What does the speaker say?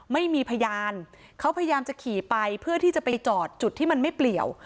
ไม่มีพยานเขาพยายามจะขี่ไปเพื่อที่จะไปจอดจุดที่มันไม่เปลี่ยว